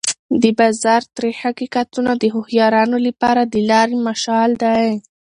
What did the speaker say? د بازار تریخ حقیقتونه د هوښیارانو لپاره د لارې مشال دی.